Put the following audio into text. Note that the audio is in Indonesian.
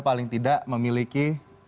paling tidak memiliki